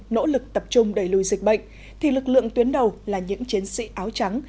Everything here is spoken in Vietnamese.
nỗ lực tập trung đẩy lùi dịch bệnh thì lực lượng tuyến đầu là những chiến sĩ áo trắng